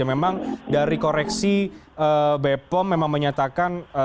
memang dari koreksi bepom memang menyatakan